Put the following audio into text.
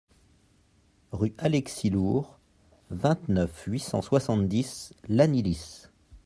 Rue Alexis l'Hourre, vingt-neuf, huit cent soixante-dix Lannilis